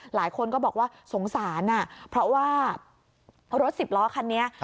หลายคนก็บอกว่าสงสารเพราะว่ารถสิบล้อคันนี้